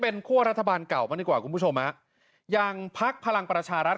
เป็นคั่วรัฐบาลเก่าบ้างดีกว่าคุณผู้ชมฮะอย่างพักพลังประชารัฐ